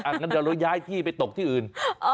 งั้นเดี๋ยวเราย้ายที่ไปตกที่อื่น